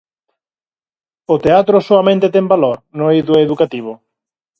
¿O teatro soamente ten valor no eido educativo?